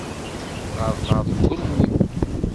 Ɣerqeɣ deg ugelmim.